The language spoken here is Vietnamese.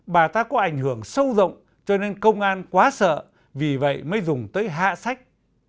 bà ta có ảnh hưởng sâu rộng cho nên công an quá sợ vì vậy mới dùng tới hạ sách